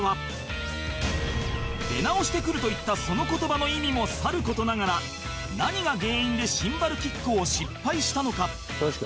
「出直してくる」と言ったその言葉の意味もさる事ながら何が原因でシンバルキックを失敗したのか？